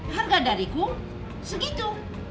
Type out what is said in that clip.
harga dariku segitu